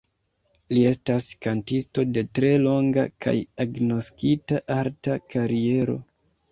Li estas kantisto de tre longa kaj agnoskita arta kariero.